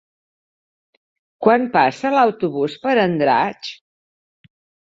Quan passa l'autobús per Andratx?